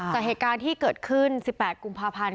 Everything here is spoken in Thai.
เหตุการณ์ที่เกิดขึ้น๑๘กุมภาพันธ์